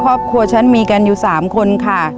ครอบครัวฉันมีกันอยู่๓คนค่ะ